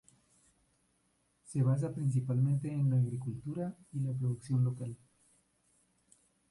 Se basa principalmente en la agricultura y la producción local.